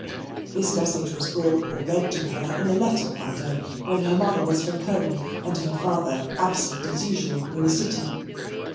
This message was brought or read to her in a letter one day, when her mother was from home and her father absent as usual in the City.